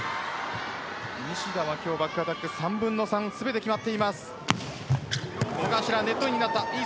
西田のバックアタックは３分の３で全て決まっています。